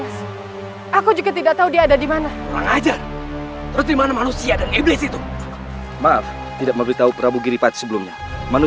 selamat bertemu lagi jaka taru